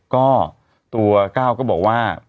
ก็ตัวก้าวก็บอกว่า